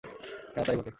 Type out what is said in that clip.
হ্যাঁ, তাই বটে।